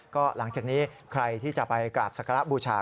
ก็หลังจากนี้ใครที่จะไปกราบสักการะบูชา